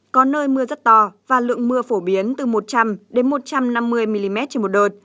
có nơi mưa rất to và lượng mưa phổ biến từ một trăm linh một trăm năm mươi mm trên một đợt